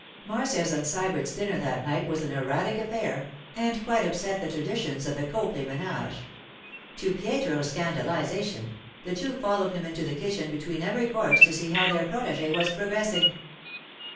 Marcia's and Sybert's dinner that night was an erratic affair and quite upset the traditions of the Copley ménage. To Pietro's scandalization, the two followed him into the kitchen between every course to see how their protégé was progressing.